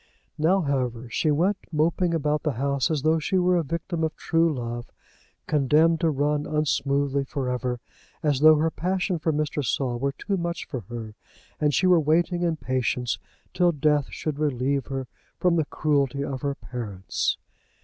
Now, however, she went moping about the house as though she were a victim of true love, condemned to run unsmoothly for ever; as though her passion for Mr. Saul were too much for her, and she were waiting in patience till death should relieve her from the cruelty of her parents.